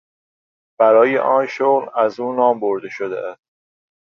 برای آن شغل از او نام برده شده است.